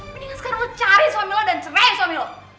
mendingan sekarang lo cari suami lo dan cemai suami lo